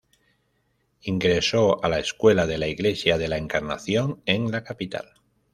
Ingresó a la escuela de la iglesia de la Encarnación en la capital.